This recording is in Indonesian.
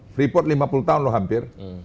freeport lima puluh tahun loh hampir